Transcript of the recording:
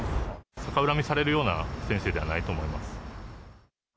逆恨みされるような先生ではないと思います。